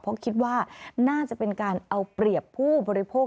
เพราะคิดว่าน่าจะเป็นการเอาเปรียบผู้บริโภค